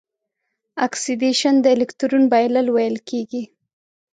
اکسیدیشن د الکترون بایلل ویل کیږي.